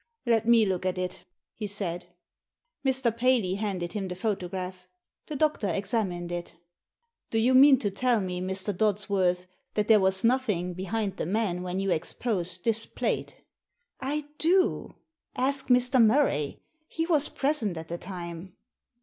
" Let me look at it," he said. Mr. Paley handed him the photograph. The doctor examined it "Do you mean to tell me, Mr. Dodsworth, that there was nothing behind the man when you ex posed this plate?" " I do. Ask Mr. Murray ; he was present at the time."